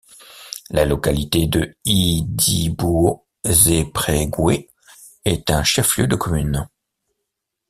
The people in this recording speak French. La localité de Idibouo-Zépréguhé est un chef-lieu de commune.